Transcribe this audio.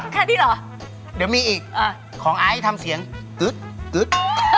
ค่ะที่หรอเดี๋ยวมีอีกของอายที่ทำเสียงอึ๊ดอึ๊ด